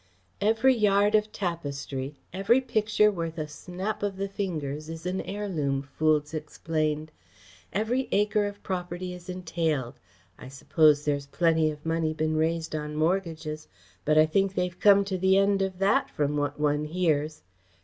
"Every yard of tapestry, every picture worth a snap of the fingers, is an heirloom," Foulds explained. "Every acre of property is entailed. I suppose there's plenty of money been raised on mortgages, but I think they've come to the end of that, from what one hears.